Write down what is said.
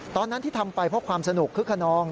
ตอนนั้นที่ทำไปเพราะความสนุกคึกขนอง